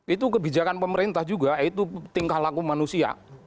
itu kebijakan pemerintah juga yaitu tingkah laku manusia